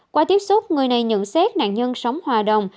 qua tiếp xúc người này nhận xét nạn nhân sống hòa đồng